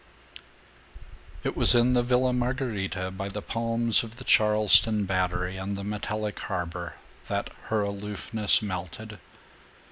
VII It was in the Villa Margherita, by the palms of the Charleston Battery and the metallic harbor, that her aloofness melted.